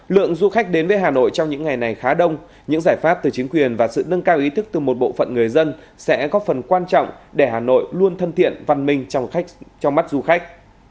lượng du khách đến với hà nội trong những ngày này khá đông những giải pháp từ chính quyền và sự nâng cao ý thức từ một bộ phận người dân sẽ góp phần quan trọng để hà nội luôn thân thiện văn minh trong mắt du khách